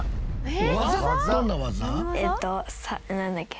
えっとなんだっけ？